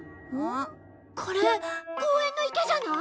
これ公園の池じゃない？